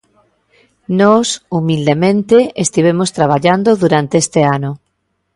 Nós, humildemente, estivemos traballando durante este ano.